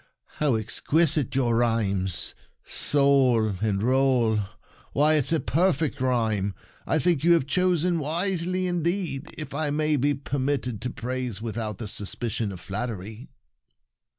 How exquisite your rhymes ! Soul and roll — why, it's a perfect A Whopper Verses 55 rhyme! I think you have chosen wisely indeed, if I may be permitted to praise without the suspicion of flattery."